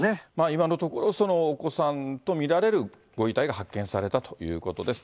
今のところ、お子さんと見られるご遺体が発見されたということです。